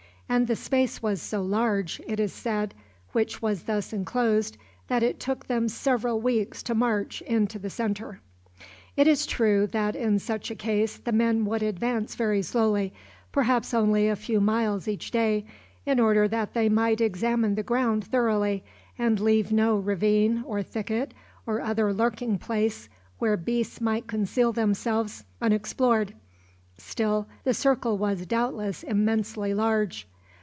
And the space was so large, it is said, which was thus inclosed, that it took them several weeks to march in to the centre. It is true that in such a case the men would advance very slowly, perhaps only a few miles each day, in order that they might examine the ground thoroughly, and leave no ravine, or thicket, or other lurking place, where beasts might conceal themselves, unexplored. Still, the circle was doubtless immensely large.